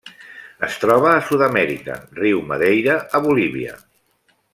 Es troba a Sud-amèrica: riu Madeira a Bolívia.